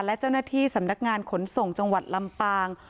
และเจ้าหน้าที่สำนักงานขนส่งจังหวัดลำปาง